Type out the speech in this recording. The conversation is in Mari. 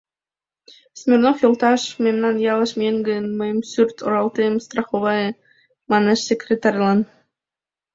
— Смирнов йолташ, мемнан ялыш миет гын, мыйын сурт оралтем страховае, — манеш секретарьлан.